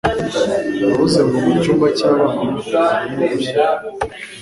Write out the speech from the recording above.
yavuze ngo mu cyumba cy'abana harimo gushya,